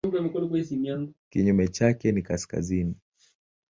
Kinyume chake ni kaskazini.